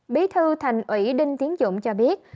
bí thư thành nguy đinh tiến dũng cho biết